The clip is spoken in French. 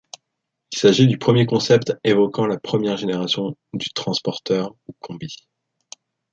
Il s'agit du premier concept évoquant la première génération du Transporter ou Combi.